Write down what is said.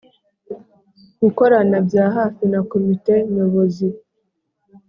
Gukorana bya hafi na komite nyobozi